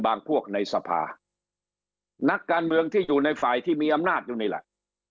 พวกในสภานักการเมืองที่อยู่ในฝ่ายที่มีอำนาจอยู่นี่แหละ